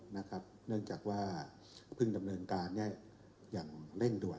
เนื่องจากว่าเพิ่งดำเนินการอย่างเร่งด่วน